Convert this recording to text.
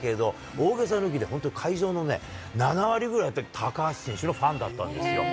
大げさ抜きで、本当、会場のね、７割ぐらい、やっぱ高橋選手のファンだったんですよ。